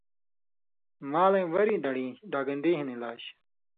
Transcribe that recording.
مالَیں وریں دڑیں ڈاگن٘ڈی ہِن علاج